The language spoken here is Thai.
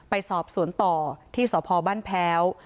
ไปสอบสวนต่อที่สพบ้านแพ้ว